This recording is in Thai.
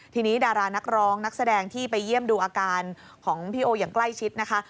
ทีนี้ดารานักร้องนักแสดงที่ไปเยี่ยมดูอาการของพี่โออย่างใกล้ชิดนะคะ